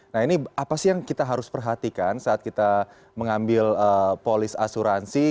nah ini apa sih yang kita harus perhatikan saat kita mengambil polis asuransi